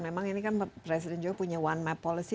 memang ini kan presiden jokowi punya one map policy